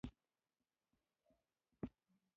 غول د سالم ژوند ګواه دی.